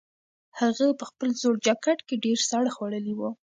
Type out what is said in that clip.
هغه په خپل زوړ جاکټ کې ډېر ساړه خوړلي وو.